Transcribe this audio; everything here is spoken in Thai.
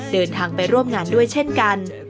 เดินทางไปร่วมงานด้วยเช่นกัน